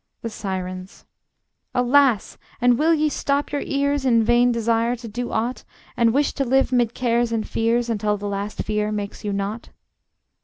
The Sirens: Alas! and will ye stop your ears, In vain desire to do aught, And wish to live 'mid cares and fears, Until the last fear makes you naught?